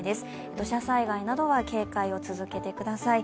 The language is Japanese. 土砂災害などは警戒を続けてください。